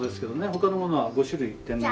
他のものは５種類天然。